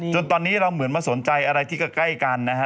จนตอนนี้เราเหมือนมาสนใจอะไรที่ใกล้กันนะฮะ